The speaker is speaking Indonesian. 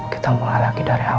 kita mulai lagi dari awal